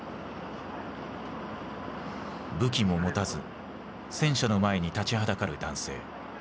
武器も持たず戦車の前に立ちはだかる男性。